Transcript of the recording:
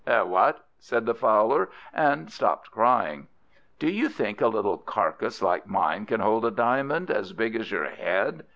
"Eh? what?" said the Fowler, and stopped crying. "Do you think a little carcase like mine can hold a diamond as big as your head?"